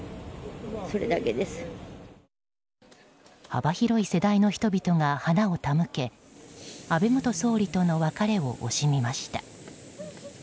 幅広い世代の人々が花を手向け安倍元総理との別れを惜しみました。